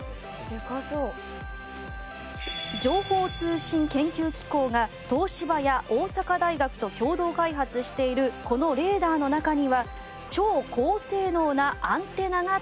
情報通信研究機構が東芝や大阪大学と共同開発しているこのレーダーの中には超高性能なアンテナが搭載。